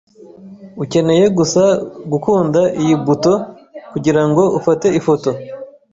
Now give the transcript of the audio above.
Ukeneye gusa gukanda iyi buto kugirango ufate ifoto.